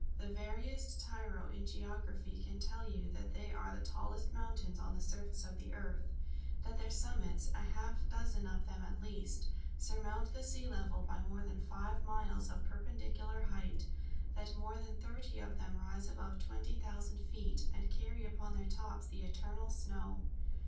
The veriest tyro in geography can tell you that they are the tallest mountains on the surface of the earth; that their summits a half dozen of them at least surmount the sea level by more than five miles of perpendicular height; that more than thirty of them rise above twenty thousand feet, and carry upon their tops the eternal snow!